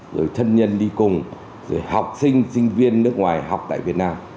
rồi thân nhân đi cùng rồi học sinh sinh viên nước ngoài học tại việt nam